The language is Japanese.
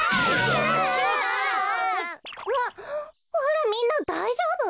うわっあらみんなだいじょうぶ？